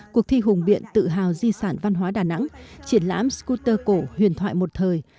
cuộc thi hùng biện tự hào di sản văn hóa đà nẵng triển lãm scooter cổ huyền thoại một thời